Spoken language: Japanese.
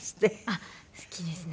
あっ好きですね。